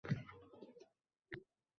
Oqshomlari qabr oldiga keldi.